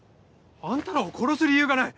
あんたらを殺す理由がない。